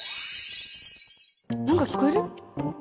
何か聞こえる？